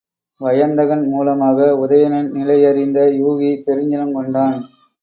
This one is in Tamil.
வயந்தகன் மூலமாக உதயணன் நிலையறிந்த யூகி பெருஞ்சினங்கொண்டான்.